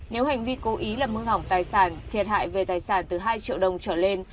nếu hành vi cố ý làm hư hỏng tài sản thiệt hại về tài sản từ hai triệu đồng trở lên